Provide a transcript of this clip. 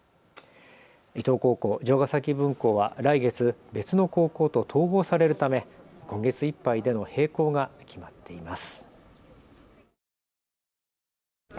伊東高校城ヶ崎分校は来月、別の高校と統合されるため今月いっぱいでの閉校が決まっています。